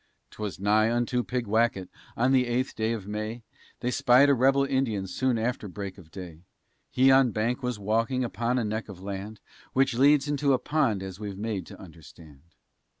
'Twas nigh unto Pigwacket, on the eighth day of May, They spied a rebel Indian soon after break of day; He on a bank was walking, upon a neck of land, Which leads into a pond as we're made to understand.